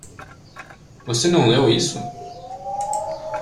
Você não leu isso?